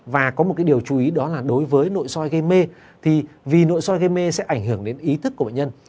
và có một cái điều chú ý đó là đối với nội soi gây mê thì vì nội soi gây mê sẽ ảnh hưởng đến ý thức của bệnh nhân